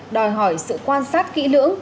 đòi hỏi sự quan sát kỹ lưỡng